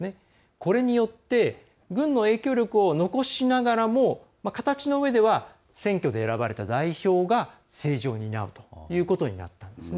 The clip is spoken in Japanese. これによって軍の影響力を残しながらも形の上では選挙で選ばれた代表が政治を担うということになったんですね。